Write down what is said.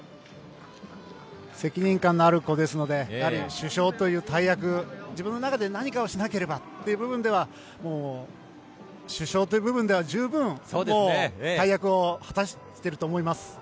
責任感のある子ですので主将という大役自分の中で何かしなければというところでは主将という部分では、十分大役を果たしていると思います。